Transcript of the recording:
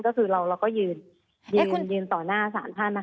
ก็คือเราก็ยืนยืนต่อหน้าศาลท่านนะคะ